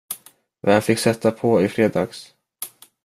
Vem fick sätta på i fredags?